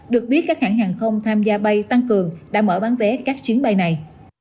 được biết các hãng hàng không tham gia bay tăng cường đã mở bán vé các chuyến bay này